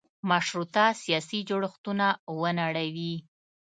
مشروطه سیاسي جوړښتونه ونړوي.